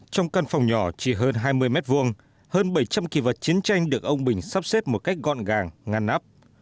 trong căn phòng nhỏ chỉ hơn hai mươi m hai hơn bảy trăm linh kỳ vật chiến tranh được ông bình sắp xếp một cách gọn gàng ngăn nắp